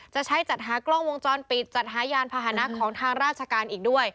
จะใช้จัดหากล้องวงจรปิดจัดหายานพาหนะของทางราชการอีกด้วย